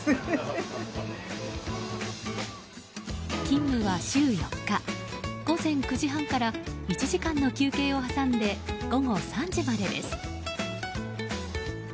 勤務は週４日、午前９時半から１時間の休憩を挟んで午後３時までです。